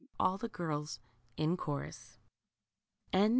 cry all the girls in chorus. 9 ^